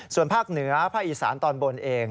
ส่วนภาคเหนือภาคอีสานตอนบนเอง